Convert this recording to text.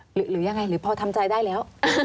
หรือยังไงหรือพอทำใจได้แล้ว